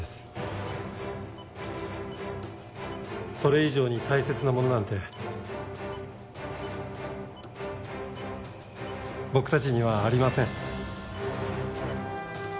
それ以上に大切なものなんて僕たちにはありません。